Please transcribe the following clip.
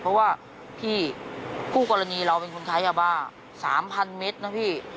เพราะว่าพี่คู่กรณีเราเป็นคนใช้ยาบ้า๓๐๐เมตรนะพี่